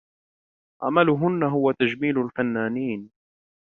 عملهن هو تجميل الفنانين.